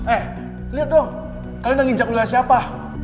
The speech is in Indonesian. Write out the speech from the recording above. eh liat dong kalian nginjak wilayah siapa